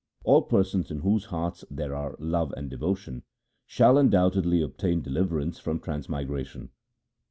All persons in whose hearts there are love and devotion, shall undoubtedly obtain deliverance from trans migration.